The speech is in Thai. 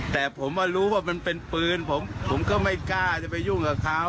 แต่ผมมารู้ว่ามันเป็นปืนผมก็ไม่กล้าจะไปยุ่งกับเขา